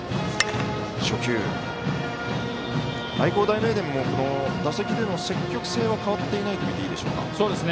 愛工大名電も打席での積極性は変わっていないと見ていいでしょうか？